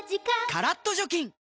カラッと除菌